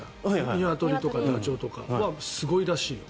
ニワトリとかダチョウとかはすごいらしいよ。